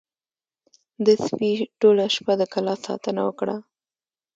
د سپي ټوله شپه د کلا ساتنه وکړه.